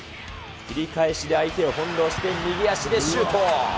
切り返しで相手をほんろうして右足でシュート。